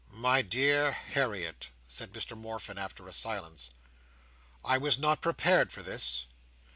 "My dear Harriet," said Mr Morfin, after a silence, "I was not prepared for this.